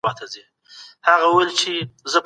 خلک د پوهې لټه کوله.